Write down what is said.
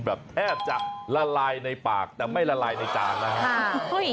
แบบแทบจะละลายในปากแต่ไม่ละลายในจานนะฮะ